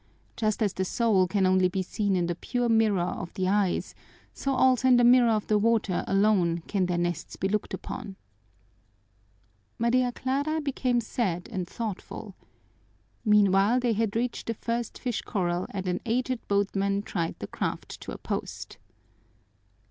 Just as the soul can only be seen in the pure mirror of the eyes, so also in the mirror of the water alone can their nests be looked upon." Maria Clara became sad and thoughtful. Meanwhile, they had reached the first fish corral and an aged boatman tied the craft to a post.